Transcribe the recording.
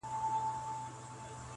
• ویاړلی بیرغ -